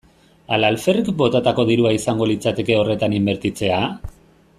Ala alferrik botatako dirua izango litzateke horretan inbertitzea?